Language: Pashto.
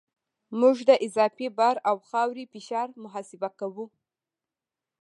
موږ د اضافي بار او خاورې فشار محاسبه کوو